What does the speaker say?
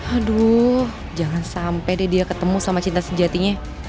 aduh jangan sampai deh dia ketemu sama cinta sejatinya